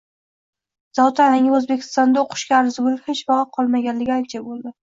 Zotan Yangi O’zbekistonda o’qishga arzigulik hech vaqo qolmaganiga ancha bo’ldi.